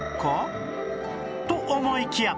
と思いきや